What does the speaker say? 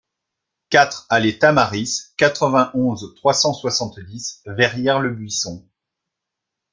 quatre allée Tamaris, quatre-vingt-onze, trois cent soixante-dix, Verrières-le-Buisson